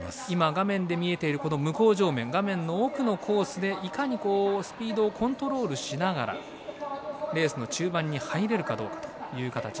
画面で見えている向正面でいかにスピードをコントロールしながらレースの中盤に入れるかどうかという形。